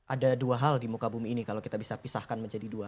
ada dua hal di muka bumi ini kalau kita bisa pisahkan menjadi dua